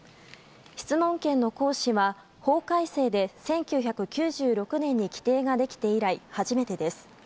質問権の行使は法改正で１９９６年に規定ができて以来初めてです。